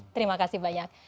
terima kasih banyak